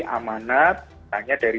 amanat misalnya dari